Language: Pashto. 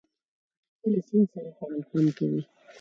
خټکی له سیند سره خوړل خوند کوي.